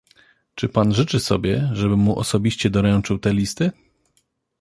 "Czy pan życzy sobie, żebym mu osobiście doręczył te listy?"